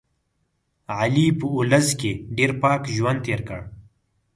علي په اولس کې ډېر پاک ژوند تېر کړ.